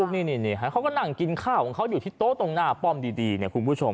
นี่เขาก็นั่งกินข้าวของเขาอยู่ที่โต๊ะตรงหน้าป้อมดีเนี่ยคุณผู้ชม